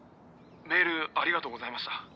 メールありがとうございました。